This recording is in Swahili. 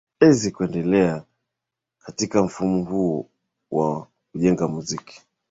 ezi kuendelea katika mfumo huu wa kujenga muziki